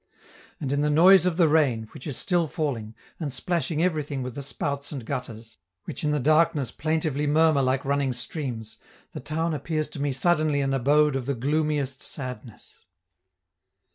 And in the noise of the rain, which is still falling, and splashing everything with the spouts and gutters, which in the darkness plaintively murmur like running streams, the town appears to me suddenly an abode of the gloomiest sadness.